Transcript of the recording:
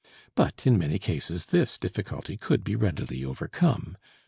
But in many cases this difficulty could be readily overcome.